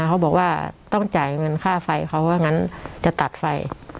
เขาบอกว่าต้องจ่ายเงินค่าไฟเขาว่างั้นจะตัดไฟ